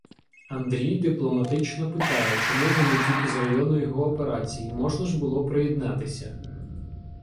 Андрій "дипломатично" питає, чому він утік із району його операцій, можна ж було приєднатися.